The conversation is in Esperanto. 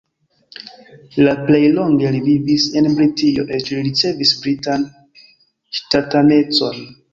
La plej longe li vivis en Britio, eĉ li ricevis britan ŝtatanecon.